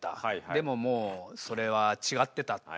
でももうそれは違ってたと。